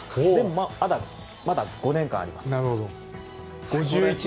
まだ５年間あります。